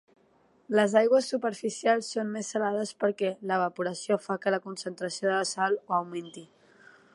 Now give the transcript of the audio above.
Les aigües superficials són més salades perquè l’evaporació fa que la concentració de sal augmenti.